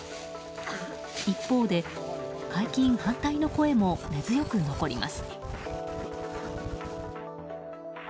一方で、解禁反対の声も根強く残ります。